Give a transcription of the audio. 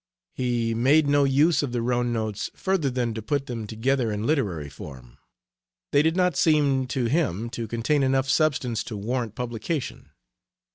He made no use of the Rhone notes further than to put them together in literary form. They did not seem to him to contain enough substance to warrant publication.